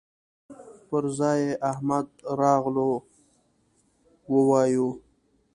پر ځاى احمد راغلهووايو